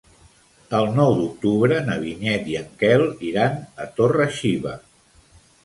El nou d'octubre na Vinyet i en Quel iran a Torre-xiva.